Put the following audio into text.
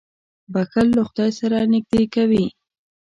• بښل له خدای سره نېږدې کوي.